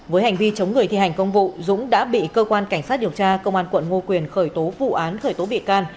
với hành vi chống người thi hành công vụ dũng đã bị cơ quan cảnh sát điều tra công an quận ngo quyền khởi tố vụ án khởi tố bị can